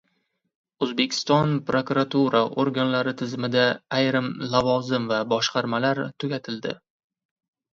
O‘zbekiston prokuratura organlari tizimida ayrim lavozim va boshqarmalar tugatildi